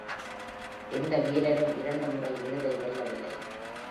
எந்த வீரரும் இரண்டு முறை விருதை வெல்லவில்லை.